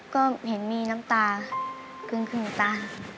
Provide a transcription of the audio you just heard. ก็เห็นมีน้ำตากึ่งตา